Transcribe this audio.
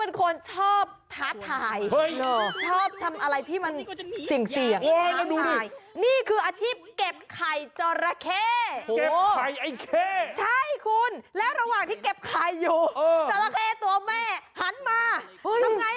เอามายไปเหมือนว่าต้อนจราเค